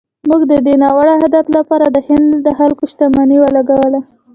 موږ د دې ناوړه هدف لپاره د هند د خلکو شتمني ولګوله.